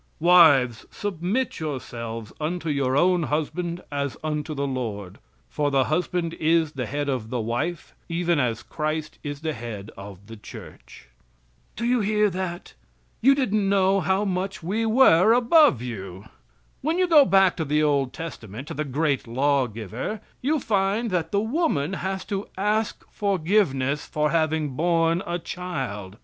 "Wives, submit yourselves unto your own husband as unto the Lord, for the husband is the head of the wife even as Christ is the head of the Church." Do you hear that? You didn't know how much we were above you. When you go back to the old testament, to the great law giver, you find that the woman has to ask forgiveness for having borne a child.